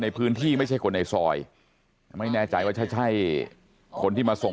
ในพื้นที่ไม่ใช่คนในซอยไม่แน่จัยว่าใช่คนที่มาส่ง